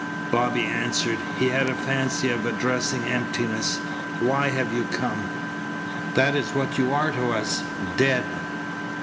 Bobby answered. He had a fancy of addressing emptiness. "Why have you come? That is what you are to us dead."